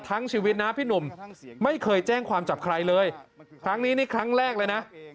ชีวิตนะพี่หนุ่มไม่เคยแจ้งความจับใครเลยครั้งนี้นี่ครั้งแรกเลยนะ